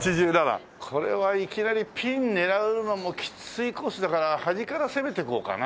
これはいきなりピン狙うのもきついコースだから端から攻めていこうかな。